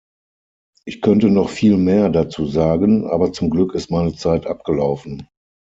Ich könnte noch viel mehr dazu sagen, aber zum Glück ist meine Zeit abgelaufen.